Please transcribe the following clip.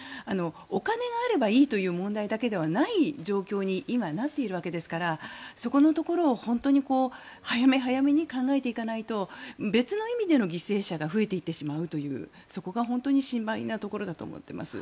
お金があればいいという問題だけではない状態に今、なっているわけですからそこのところを本当に早め早めに考えていかないと別の意味での犠牲者が増えていってしまうというそこが本当に心配なところだと思っています。